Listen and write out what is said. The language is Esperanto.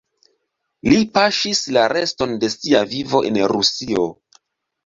Li paŝis la reston de sia vivo en Rusio.